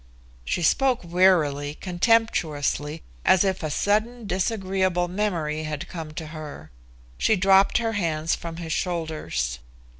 She spoke wearily, contemptuously, as if a sudden disagreeable memory had come to her. She dropped her hands from his shoulders.